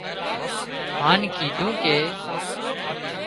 هانَ ڪيڌون ڪي